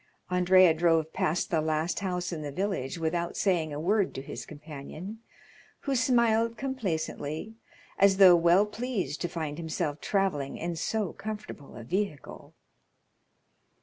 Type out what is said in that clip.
Andrea drove past the last house in the village without saying a word to his companion, who smiled complacently, as though well pleased to find himself travelling in so comfortable a vehicle.